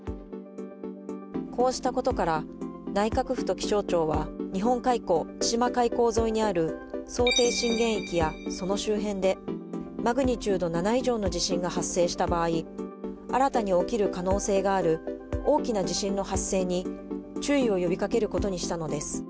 こうしたことから内閣府と気象庁は、日本海溝・千島海溝沿いにある想定震源域や、その周辺でマグニチュード７以上の地震が発生した場合、新たに起きる可能性がある大きな地震の発生に注意を呼びかけることにしたのです。